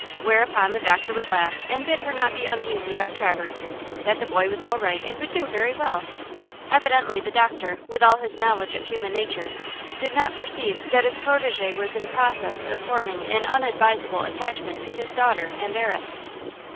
Whereupon the doctor would laugh and bid her not be uneasy about Traverse–that the boy was all right and would do very well! Evidently the doctor, with all his knowledge of human nature, did not perceive that his protégé was in process of forming an unadvisable attachment to his daughter and heiress.